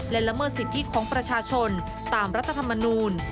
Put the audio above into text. และละเมิดสิทธิของประชาชนตามรัฐธรรมนูล